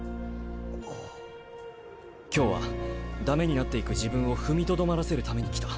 今日は駄目になっていく自分を踏みとどまらせるために来た。